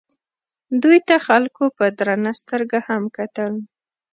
دوی ته خلکو په درنه سترګه هم کتل.